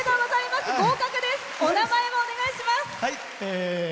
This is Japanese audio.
お名前をお願いします。